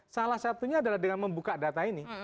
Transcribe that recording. salah satunya adalah dengan membuka data ini